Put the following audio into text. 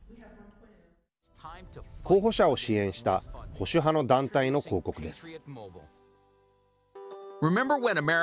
候補者を支援した保守派の団体の広告です。